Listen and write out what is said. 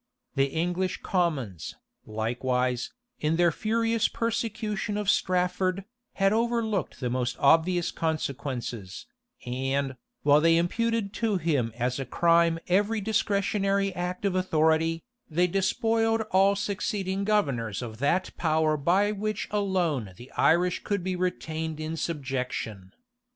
The English commons, likewise, in their furious persecution of Strafford, had overlooked the most obvious consequences; and, while they imputed to him as a crime every discretionary act of authority, they despoiled all succeeding governors of that power by which alone the Irish could be retained in subjection.